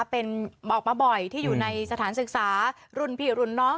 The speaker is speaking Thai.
เป็นออกมาบ่อยที่อยู่ในสถานศึกษารุ่นพี่รุ่นน้อง